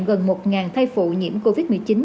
gần một thay phụ nhiễm covid một mươi chín